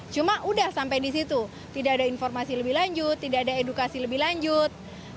cuma udah sampai di situ tidak ada informasi lebih lanjut tidak ada edukasi lebih lanjut